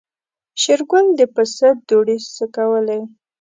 شېرګل د پسه دوړې سکوللې.